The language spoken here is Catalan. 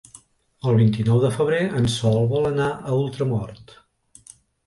El vint-i-nou de febrer en Sol vol anar a Ultramort.